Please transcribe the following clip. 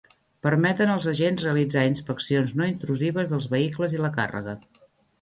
Permeten als agents realitzar inspeccions no intrusives dels vehicles i la càrrega.